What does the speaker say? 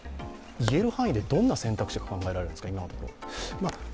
いえる範囲で、どんな選択肢が考えられるんですか、今のところ。